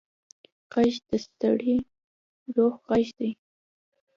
غږ د ستړي روح غږ دی